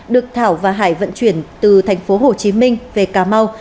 được thảo và hải vận chuyển từ tp hcm về cà mau